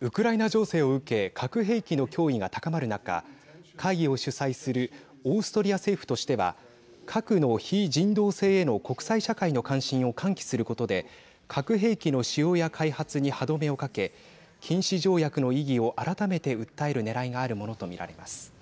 ウクライナ情勢を受け核兵器の脅威が高まる中会議を主催するオーストリア政府としては核の非人道性への国際社会の関心を喚起することで核兵器の使用や開発に歯止めをかけ禁止条約の意義を改めて訴えるねらいがあるものと見られます。